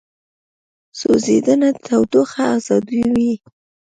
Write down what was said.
سوځېدنه تودوخه ازادوي.